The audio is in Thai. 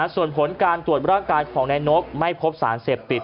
ส่วนผลการตรวจร่างกายของนายนกไม่พบสารเสพติด